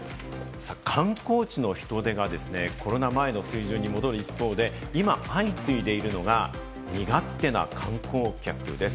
観光地の人出がコロナ前の水準に戻る一方で、今、相次いでいるのが身勝手な観光客です。